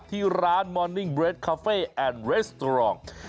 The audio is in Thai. ที่ร้านมอนิ่งเรดคาเฟ่แอนด์เรสตรอง